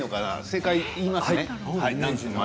正解言いますね。